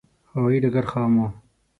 هوایې ډګر خام و.